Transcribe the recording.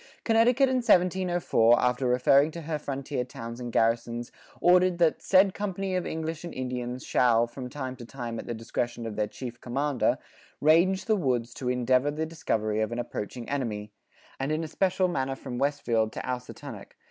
"[45:1] Connecticut in 1704 after referring to her frontier towns and garrisons ordered that "said company of English and Indians shall, from time to time at the discretion of their chief co[=m]ander, range the woods to indevour the discovery of an approaching enemy, and in especiall manner from Westfield to Ousatunnuck.